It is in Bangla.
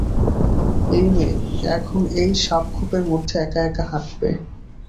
এই মেয়ে এখন এই সাপখোপের মধ্যে এক-একা হাঁটবে।